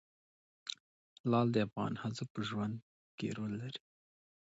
لعل د افغان ښځو په ژوند کې رول لري.